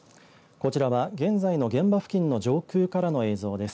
こちらは現在の現場付近の上空からの映像です。